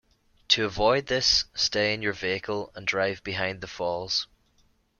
To avoid this, stay in your vehicle and drive behind the falls.